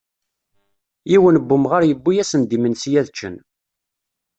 Yiwen n umγar yewwi-asen-d imensi ad ččen.